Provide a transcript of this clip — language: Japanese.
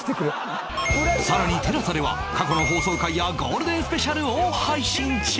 更に ＴＥＬＡＳＡ では過去の放送回やゴールデンスペシャルを配信中！